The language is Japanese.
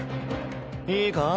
いいか？